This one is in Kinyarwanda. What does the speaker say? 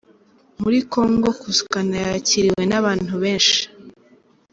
Muri kongo Kusukana yakiriwe n’abantu benshi.